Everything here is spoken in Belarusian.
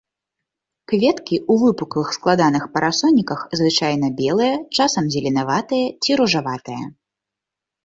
Кветкі ў выпуклых складаных парасоніках, звычайна белыя, часам зеленаватыя ці ружаватыя.